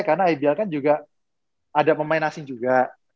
karena ideal kan juga ada pemain asing juga